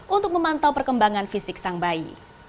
untuk memantau perkembangan fisik sang bayi